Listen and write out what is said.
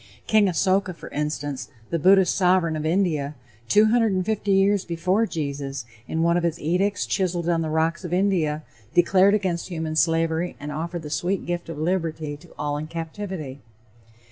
King Asoka, for instance, the Buddhist sovereign of India, 250 years before Jesus, in one of his edicts chiseled on the rocks of India, declared against human slavery and offered the sweet gift of liberty to all in captivity.